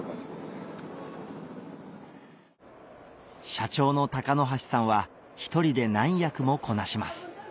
社長の鷹箸さんは１人で何役もこなします